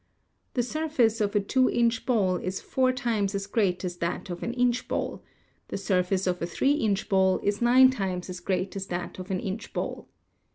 The surface of a two inch ball is four times as great as that of an inch ball ; the surface of a three inch ball is nine times as great as that of an inch ball.